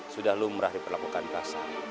sudah lumrah diperlakukan kasar